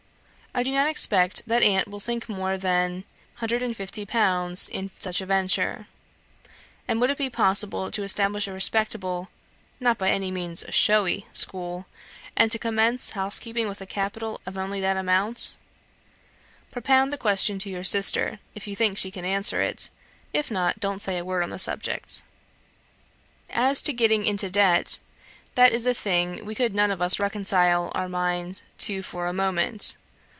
I do not expect that aunt will sink more than 150_l_. in such a venture; and would it be possible to establish a respectable (not by any means a showy) school, and to commence housekeeping with a capital of only that amount? Propound the question to your sister, if you think she can answer it; if not, don't say a word on the subject. As to getting into debt, that is a thing we could none of us reconcile our mind to for a moment.